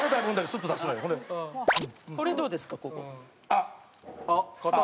あっ。